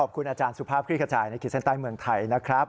ขอบคุณอาจารย์สุภาพคลิกขจายในขีดเส้นใต้เมืองไทยนะครับ